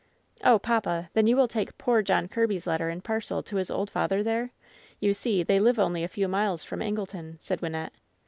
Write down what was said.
"Oh, papa f then you will take poor John Kirb/s let ter and parcel to his old father there ? You see, they live only a few miles from Angleton," said Wynnette.